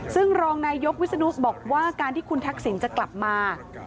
ซึ่งรองนายกวิศนุบอกว่าการที่คุณทักษิณจะกลับมา